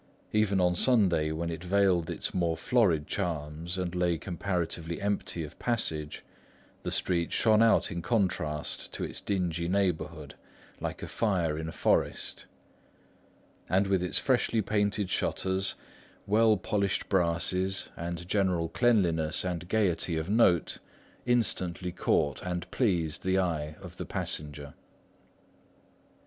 Even on Sunday, when it veiled its more florid charms and lay comparatively empty of passage, the street shone out in contrast to its dingy neighbourhood, like a fire in a forest; and with its freshly painted shutters, well polished brasses, and general cleanliness and gaiety of note, instantly caught and pleased the eye of the passenger.